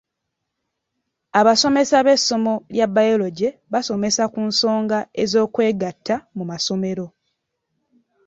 Abasomesa b'essomo lya Biology basomesa ku nsonga ez'okwegatta mu masomero .